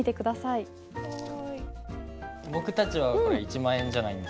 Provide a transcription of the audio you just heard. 僕たちはこれ１万円じゃないんですね。